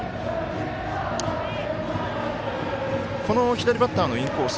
左バッターのインコース